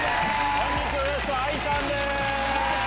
本日のゲストＡＩさんです。